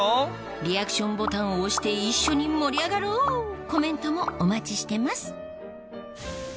リアクションボタンを押して一緒に盛り上がろうコメントもお待ちしてます！